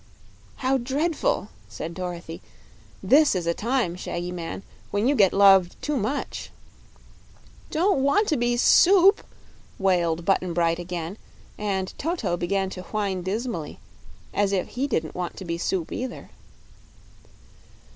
"How dreadful!" said Dorothy. "This is a time, Shaggy Man, when you get loved too much." "Don't want to be soup!" wailed Button Bright again; and Toto began to whine dismally, as if he didn't want to be soup, either.